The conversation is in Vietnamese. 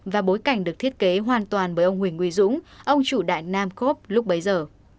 và bối cảnh được thiết kế hoàn toàn bởi ông huỳnh uy dũng ông chủ đại nam khốp lúc bấy giờ